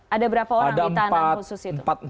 ada berapa orang di tahanan khusus itu